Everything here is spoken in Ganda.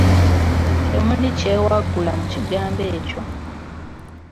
Temuli kyewaggula mu kigambo ekyo.